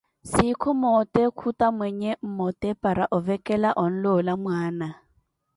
Sikhu moote khuta monye mmote para ovekela onloola mwaana.